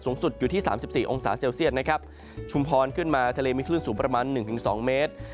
สูงสุดอยู่ที่๓๔องศาเซียตนะครับชุมพรขึ้นมาทะเลมีคลื่นสูงประมาณ๑๒เมตร